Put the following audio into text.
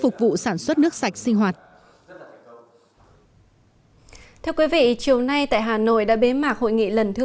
phục vụ sản xuất nước sạch sinh hoạt theo quý vị chiều nay tại hà nội đã bế mạc hội nghị lần thứ